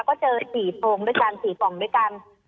ก็เจอ๔ปลงด้วยกัน